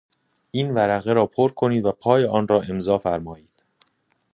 این ورقه را پر کنید و پای آن را امضا فرمایید.